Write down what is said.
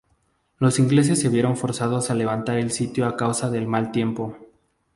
Los ingleses se vieron forzados a levantar el sitio a causa del mal tiempo.